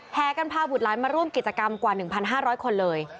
แห่กันพาบุตรหลานมาร่วมกิจกรรมกว่า๑๕๐๐คนเลย